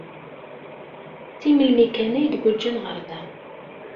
Seg melmi kan ay d-guǧǧen ɣer da.